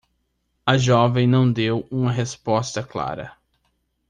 A jovem não deu uma resposta clara.